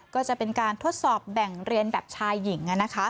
ก็จะเป็นการทดสอบแบ่งเรียนแบบชายหญิง